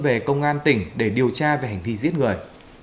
về công an tỉnh để điều tra về hành vi giết người